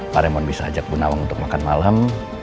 pak remond bisa ajak bu nawang untuk makan malam